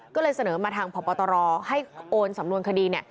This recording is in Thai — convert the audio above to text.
ก็เลยเสนอมาทางพบตรให้โอนสำนวนคดี